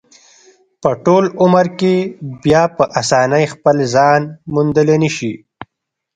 په ټول عمر کې بیا په اسانۍ خپل ځان موندلی نشي.